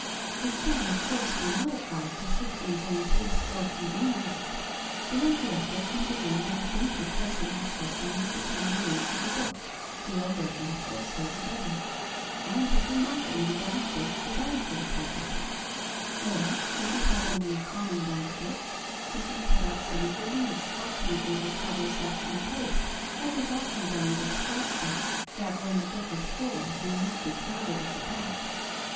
It can, of course, be modified to suit one's own taste or convenience. The young collector can begin by simply pressing his specimens between the leaves of a book, the older and coarser the better; and he can mount them in a blank book designed for the purpose, or if he has only a common blank book, he can cut out some of the leaves, alternately with others left in place, as is often done with a scrap book, that when the book is full it may not be crowded at the back.